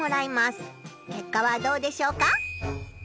けっかはどうでしょうか？